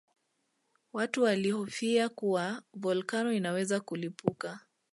Watu walihofia kuwa volkano inaweza kulipuka